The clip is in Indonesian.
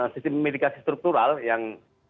sistem mitigasi struktural yang